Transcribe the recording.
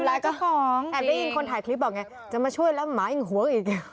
แอดยังได้ยินคนถ่ายคลิปบอกไงจะมาช่วยว่าหมาอิงหวังอีก